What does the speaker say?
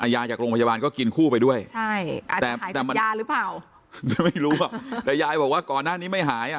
ยาจากโรงพยาบาลก็กินคู่ไปด้วยใช่แต่มันยาหรือเปล่าก็ไม่รู้อ่ะแต่ยายบอกว่าก่อนหน้านี้ไม่หายอ่ะ